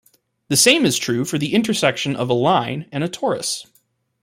The same is true for the intersection of a line and a torus.